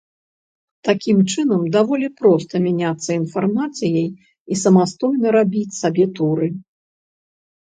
Такім чынам даволі проста мяняцца інфармацыяй і самастойна рабіць сабе туры.